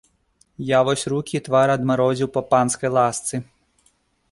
Я вось рукі і твар адмарозіў па панскай ласцы.